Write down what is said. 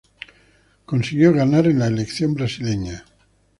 Consiguió ganar en la elección brasileña.